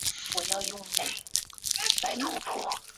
苗栗丽花介为粗面介科丽花介属下的一个种。